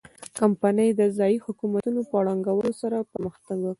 کمپنۍ د ځايي حکومتونو په ړنګولو سره پرمختګ وکړ.